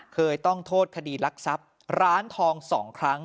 เคยต้องโทษคดีรักทรัพย์ร้านทอง๒ครั้ง